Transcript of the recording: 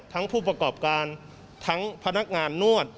ผู้ประกอบการทั้งพนักงานนวด